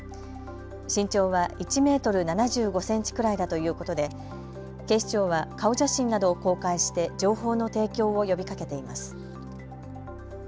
身長は１メートル７５センチくらいだということで警視庁は顔写真などを公開して情報の提供を呼びかけています。